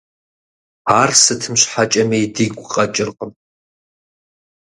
Ар сытым щхьэкӀэми дигу къэкӀыркъым.